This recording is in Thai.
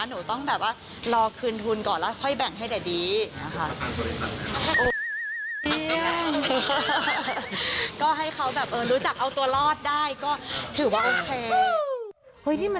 หนูต้องรอคืนทุนก่อนแล้วค่อยแบ่งให้แดดดี